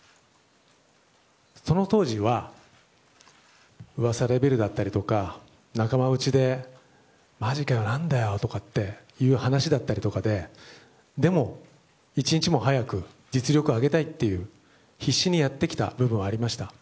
その当時は噂レベルだったりとか仲間内でマジかよ、何だよという話だったりとかででも、一日も早く実力を上げたいと必死にやってきた部分はありました。